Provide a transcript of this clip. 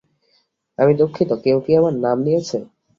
আমি দুঃখিত, কেউ কি আমার নাম নিয়েছে?